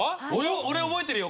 俺覚えてるよ